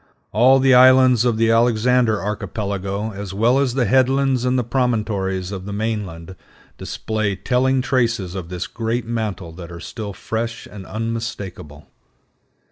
All the islands of the Alexander Archipelago, as well as the headlands and promontories of the mainland, display telling traces of this great mantle that are still fresh and unmistakable.